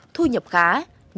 thu nhập khả năng